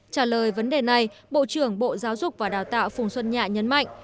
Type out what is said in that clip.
trả lời vấn đề này bộ trưởng bộ giáo dục và đào tạo phùng xuân nhạ nhấn mạnh